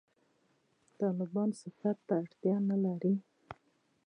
«طالبان» صفت ته اړتیا نه لري.